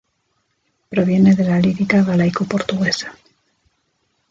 Proviene de la lírica galaico-portuguesa.